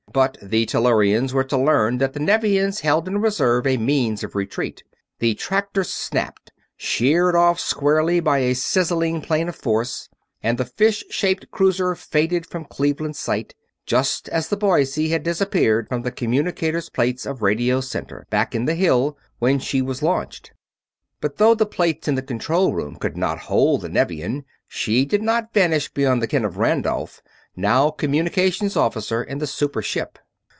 But the Tellurians were to learn that the Nevians held in reserve a means of retreat. The tractor snapped sheared off squarely by a sizzling plane of force and the fish shaped cruiser faded from Cleveland's sight, just as the Boise had disappeared from the communicator plates of Radio Center, back in the Hill, when she was launched. But though the plates in the control room could not hold the Nevian, she did not vanish beyond the ken of Randolph, now Communications Officer in the super ship.